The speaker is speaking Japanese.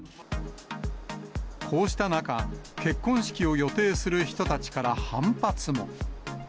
こうした中、結婚式を予定する人たちから反発も。